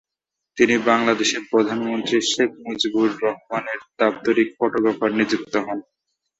তিনি বাংলাদেশের প্রধানমন্ত্রী শেখ মুজিবুর রহমানের দাপ্তরিক ফটোগ্রাফার নিযুক্ত হন।